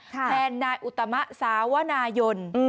แทนนายอุตมะสาวนายน